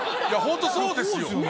ホントそうですよ。